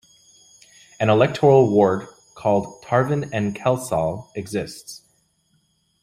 An electoral ward called Tarvin and Kelsall exists.